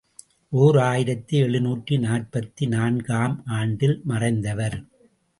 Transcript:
ஓர் ஆயிரத்து எழுநூற்று நாற்பத்து நான்கு ஆம் ஆண்டில் மறைந்தவர்.